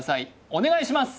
お願いします